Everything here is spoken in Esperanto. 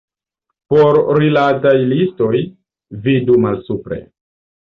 Por rilataj listoj, vidu malsupre.